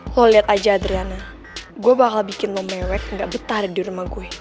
lo liat aja adriana gue bakal bikin lo mewek gak betar di rumah gue